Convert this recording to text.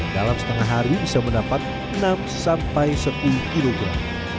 dalam setengah hari bisa mendapat enam sampai sepuluh kilogram